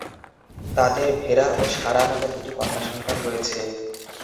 তাদের ভেরা ও সারা নামে দুটি কন্যা সন্তান রয়েছে।